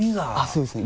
そうですね